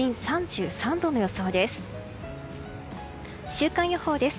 週間予報です。